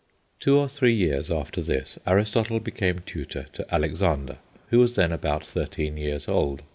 Two or three years after this, Aristotle became tutor to Alexander, who was then about thirteen years old.